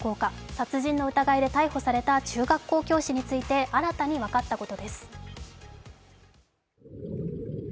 殺人の疑いで逮捕された中学校教師について新たに分かったことです。